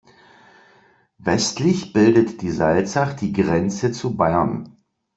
Westlich bildet die Salzach die Grenze zu Bayern.